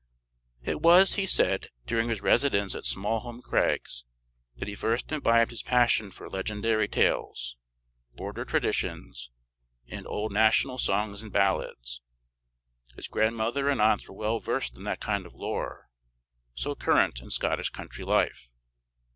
It was, he said, during his residence at Smallholm crags that he first imbibed his passion for legendary tales, border traditions, and old national songs and ballads. His grandmother and aunts were well versed in that kind of lore, so current in Scottish country life.